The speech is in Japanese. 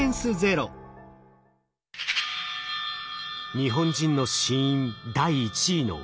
日本人の死因第１位のがん。